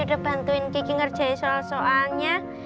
udah bantuin kiki ngerjain soal soalnya